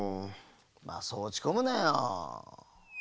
まあそうおちこむなよ。